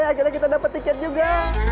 akhirnya kita dapat tiket juga